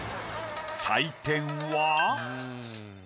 採点は？